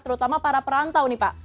terutama para perantau nih pak